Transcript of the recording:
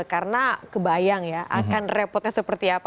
karena kebayang ya akan repotnya seperti apa